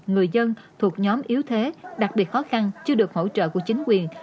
người dân thuộc nhóm yếu thế đặc biệt khó khăn chưa được hỗ trợ của chính quyền